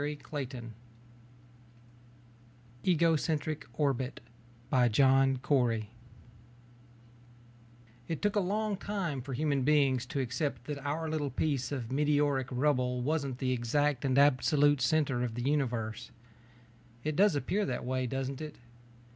net EGOCENTRIC ORBIT _It took a long time for human beings to accept that our little piece of meteoric rubble wasn't the exact and absolute center of the Universe. It does appear that way, doesn't it?